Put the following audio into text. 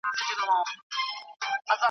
ستا دپاره چی می ځای نه وي په زړه کي .